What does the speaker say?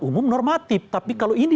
umum normatif tapi kalau ini